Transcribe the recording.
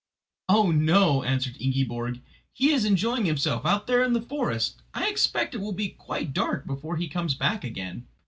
"Oh, no," answered Ingiborg, "he is enjoying himself out there in the forest. I expect it will be quite dark before he comes back again."